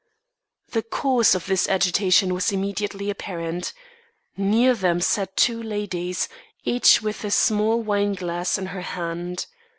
The cause of this agitation was immediately apparent. Near them sat two ladies, each with a small wine glass in her hand.